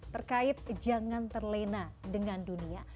terkait jangan terlena dengan dunia